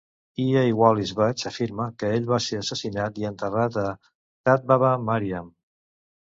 E. A. Wallis Budge afirma que ell va ser assassinat, i "enterrat a Tadbaba Maryam".